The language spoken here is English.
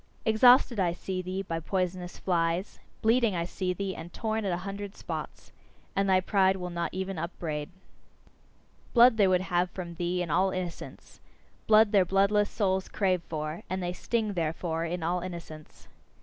Exhausted I see thee, by poisonous flies; bleeding I see thee, and torn at a hundred spots; and thy pride will not even upbraid. Blood they would have from thee in all innocence; blood their bloodless souls crave for and they sting, therefore, in all innocence.